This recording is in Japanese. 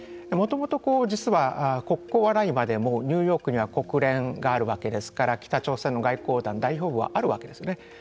もともと実は国交はないまでもニューヨークには国連があるわけですから北朝鮮の外交団代表部はあるわけですね。